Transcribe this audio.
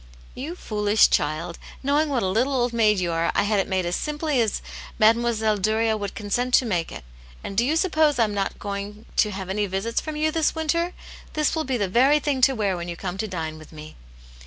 "You foolish child! Knowing what a little old maid you are, I had it made as simply as Mile* Dutl^ 176 Atmt Jane's Hero. would consent to make it ; and do you suppose Vm not going to have any visits from you this winter ? This will be the very thing to wear when you come to dine with me."